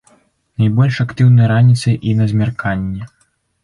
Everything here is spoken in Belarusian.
Найбольш актыўны раніцай і на змярканні.